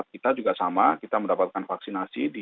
kita juga sama kita mendapatkan vaksinasi